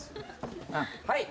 はい。